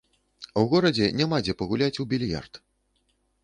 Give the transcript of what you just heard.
У горадзе няма дзе пагуляць у більярд.